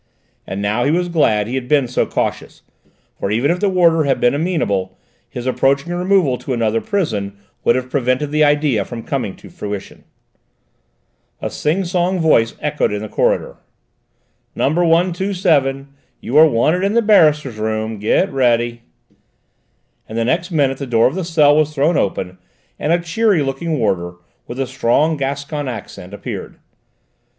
And now he was glad he had been so cautious, for even if the warder had been amenable, his approaching removal to another prison would have prevented the idea from coming to fruition. A sing song voice echoed in the corridor. "Number 127, you are wanted in the barristers' room. Get ready," and the next minute the door of the cell was thrown open, and a cheery looking warder, with a strong Gascon accent, appeared.